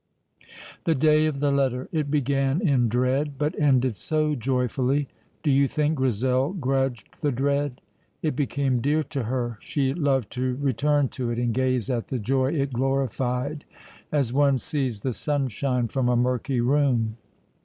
The day of the letter! It began in dread, but ended so joyfully, do you think Grizel grudged the dread? It became dear to her; she loved to return to it and gaze at the joy it glorified, as one sees the sunshine from a murky room.